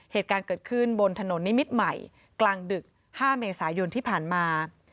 เหตุการณ์เกิดขึ้นบนถนนนิมิตรใหม่กลางดึก๕เมษายนที่ผ่านมา